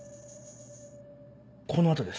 この後です。